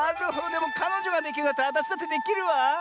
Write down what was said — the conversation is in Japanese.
でもかのじょができるんだったらあたしだってできるわ。